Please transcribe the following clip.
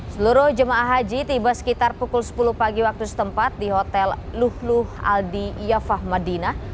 seluruh jemaah haji tiba sekitar pukul sepuluh pagi waktu setempat di hotel luhluh aldi iyafah madinah